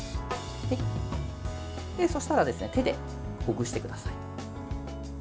そしたら手でほぐしてください。